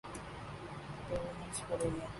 تو وہ ہنس پڑے گا۔